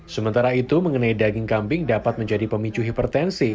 sementara itu mengenai daging kambing dapat menjadi pemicu hipertensi